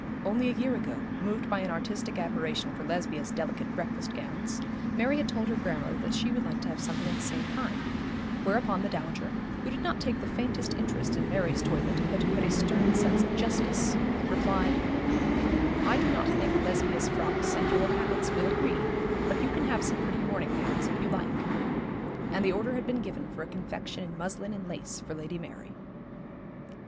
Only a year ago, moved by an artistic admiration for Lesbia's delicate breakfast gowns, Mary had told her grandmother that she would like to have something of the same kind, whereupon the dowager, who did not take the faintest interest in Mary's toilet, but who had a stern sense of justice, replied 'I do not think Lesbia's frocks and your habits will agree, but you can have some pretty morning gowns if you like;' and the order had been given for a confection in muslin and lace for Lady Mary.